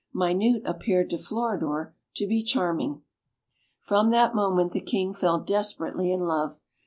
Minute appeared to Floridor to be charming. From that moment the King fell desperately in love.